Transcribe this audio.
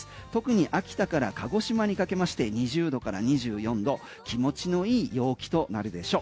特に秋田から鹿児島にかけまして２０度から２４度気持ちの良い陽気となるでしょう。